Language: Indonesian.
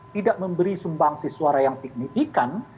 tidak memberi sumbangsi suara yang signifikan